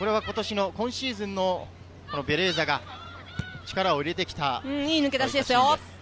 今シーズンのベレーザが力を入れてきました。